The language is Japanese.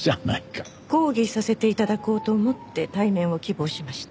抗議させて頂こうと思って対面を希望しました。